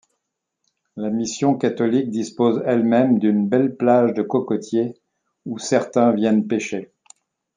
La mission catholique dispose elle-même d'une belle plage de cocotiers, où certains viennent pêcher.